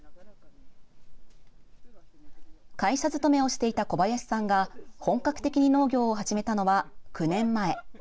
会社勤めをしていた小林さんが本格的に農業を始めたのは９年前。